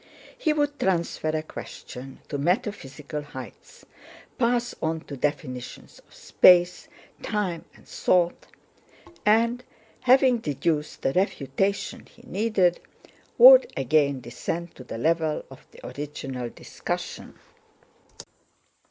He would transfer a question to metaphysical heights, pass on to definitions of space, time, and thought, and, having deduced the refutation he needed, would again descend to the level of the original discussion.